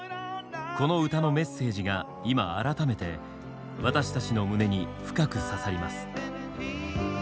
この歌のメッセージが今改めて私たちの胸に深く刺さります。